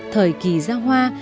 thời kỳ gia hoa